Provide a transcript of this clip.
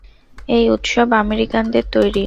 এই উৎসব আমেরিকানদের তৈরি।